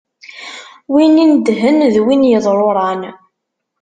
Win inedhen d win yeḍṛuṛan.